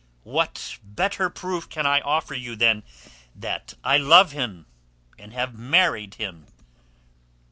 "What better proof can I offer you than that I love him, and have married him?"